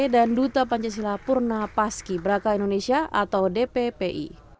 dan duta pancasila purna paski braka indonesia atau dppi